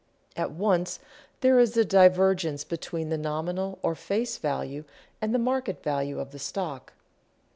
At once there is a divergence between the nominal or face value and the market value of the stock.